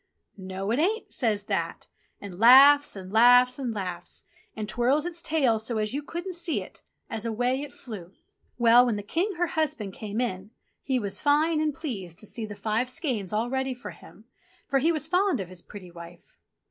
"No, it ain't," says That, and laughs and laughs and laughs, and twirls its tail so as you couldn't see it, as away it flew. Well, when the King, her husband, came in, he was fine TOM TIT TOT 33 and pleased to see the five skeins all ready for him, for he was fond of his pretty wife.